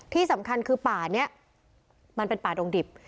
ที่สำคัญคือป่านี้มันเป็นป่าดงดิบ